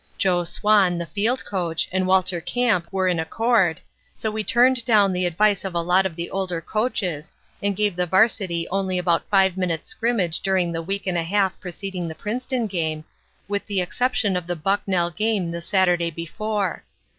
Joe Swann, the field coach, and Walter Camp were in accord, so we turned down the advice of a lot of the older coaches and gave the Varsity only about five minutes' scrimmage during the week and a half preceding the Princeton game, with the exception of the Bucknell game the Saturday before.